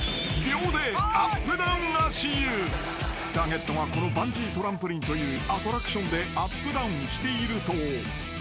［ターゲットがこのバンジートランポリンというアトラクションでアップダウンしていると］